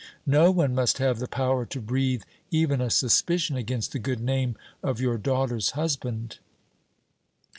No one must have the power to breathe even a suspicion against the good name of your daughter's husband!"